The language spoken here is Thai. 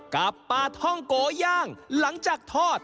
กับปลาท่องโกย่างหลังจากทอด